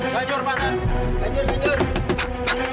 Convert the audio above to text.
ganjur pasar masuk